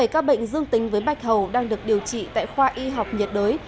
bảy ca bệnh dương tính với bạch hầu đang được điều trị tại khoa y học nhiệt đới